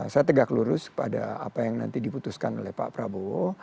saya tegak lurus pada apa yang nanti diputuskan oleh pak prabowo